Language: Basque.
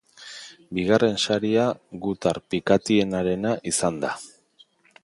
Bigarren saria gutar pikatienarena izan da.